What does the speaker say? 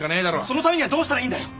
そのためにはどうしたらいいんだよ。